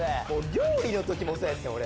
料理の時もそうやってん俺。